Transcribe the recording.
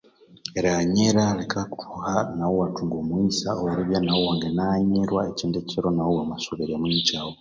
Erighanila likakuha iwathunga omughisa eribya naghu iwangina ghanyirwa ekindi kiro naghu wamasoberya mulikyaghu